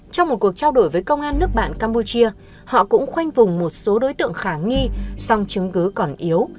trong một cuộc trao đổi với công an nước bạn campuchia họ cũng khoanh vùng một số đối tượng khả nghi song chứng cứ còn yếu